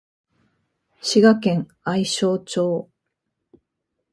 滋賀県愛荘町